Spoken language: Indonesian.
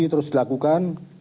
masih terus dilakukan